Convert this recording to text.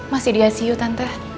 masih di icu tante